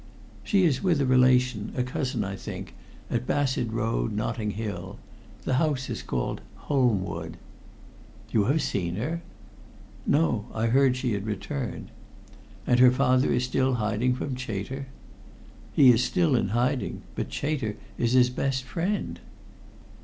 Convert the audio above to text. "She is with a relation, a cousin, I think, at Bassett Road, Notting Hill. The house is called 'Holmwood.'" "You have seen her?" "No. I heard she had returned." "And her father is still in hiding from Chater?" "He is still in hiding, but Chater is his best friend."